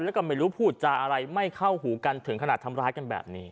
แล้วก็ไม่รู้พูดจาอะไรไม่เข้าหูกันถึงขนาดทำร้ายกันแบบนี้